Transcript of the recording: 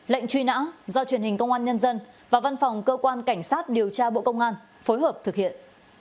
lệnh truy nã do truyền hình công an nhân dân và văn phòng cơ quan cảnh sát điều tra bộ công an phối hợp thực hiện